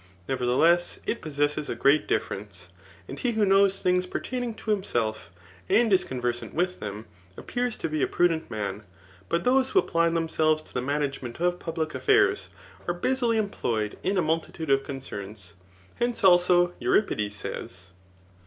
Nevertheless, it possesses a great di£Ference. And he who knows things pertaining to himself, and is conversant with them, appears to be a prudent man ; but those who apply themselves to the management of public afiairs, are busily employed in a multitude of concerns. H«ice also Euripides says.